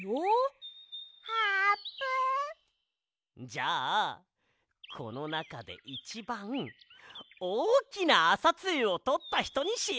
じゃあこのなかでいちばんおおきなあさつゆをとったひとにしよう！